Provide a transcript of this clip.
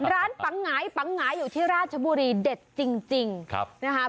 ร้านปังหงายปังหงายอยู่ที่ราชบุรีเด็ดจริงนะครับ